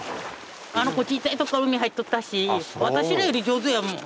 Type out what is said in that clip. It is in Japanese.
あの子小さい時から海入っとったし私らより上手やもん。